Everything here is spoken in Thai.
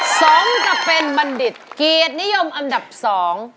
สมกับเป็นบัณฑิตเกียรตินิยมอันดับสอง